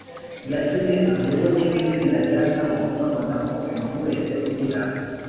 yatumye abayoboke b’itsinda rya tao babona ko umuntu wese ugira